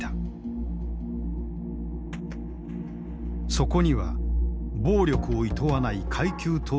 そこには暴力をいとわない階級闘争で